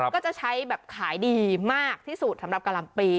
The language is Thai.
ก็จะใช้แบบขายดีมากที่สุดสำหรับกะหล่ำปี